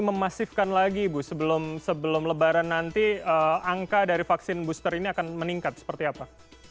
memasifkan lagi ibu sebelum lebaran nanti angka dari vaksin booster ini akan meningkat seperti apa